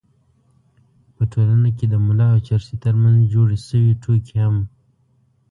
په ټولنه کې د ملا او چرسي تر منځ جوړې شوې ټوکې هم